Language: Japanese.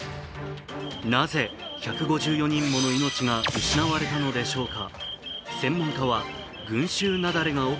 なぜ１５４人もの命が失われたのでしょうか。